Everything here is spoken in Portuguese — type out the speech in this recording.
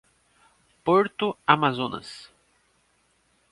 Porto Amazonas